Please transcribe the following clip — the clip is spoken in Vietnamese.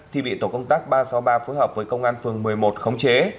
thì bị tổ công tác ba trăm sáu mươi ba phối hợp với công an phường một mươi một khống chế